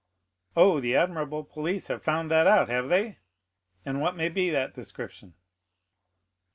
"Oh, the admirable police have found that out, have they? And what may be that description?"